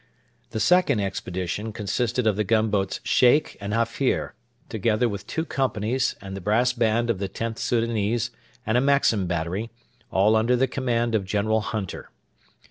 The second expedition consisted of the gunboats Sheikh and Hafir, together with two companies and the brass band of the Xth Soudanese and a Maxim battery, all under the command of General Hunter.